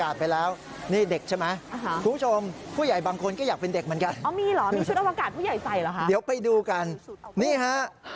ต้องเชื่อผู้คนมากมายหนูจึงบอกให้ตามยูทิศแบบหนูให้ค่ะ